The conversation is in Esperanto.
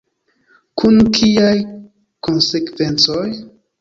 Kun kiaj konsekvencoj?